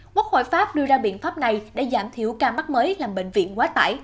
quốc hội pháp đưa ra biện pháp này để giảm thiểu ca mắc mới làm bệnh viện quá tải